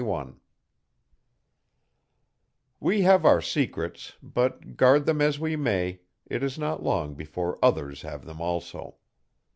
Chapter 21 We have our secrets, but, guard them as we may, it is not long before others have them also.